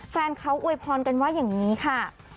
แฟนเขาอวยพรกันว่าอย่างนี้ค่ะ